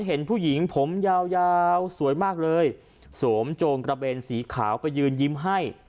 เห็นผู้หญิงผมยาวยาวสวยมากเลยสวมโจงกระเบนสีขาวไปยืนยิ้มให้